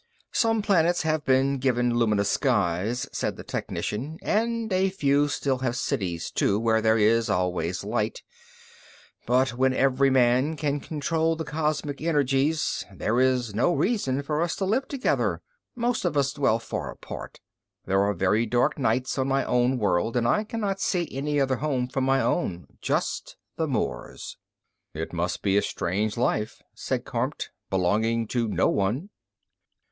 "Some planets have been given luminous skies," said the technician, "and a few still have cities, too, where it is always light. But when every man can control the cosmic energies, there is no real reason for us to live together; most of us dwell far apart. There are very dark nights on my own world, and I cannot see any other home from my own just the moors." "It must be a strange life," said Kormt. "Belonging to no one."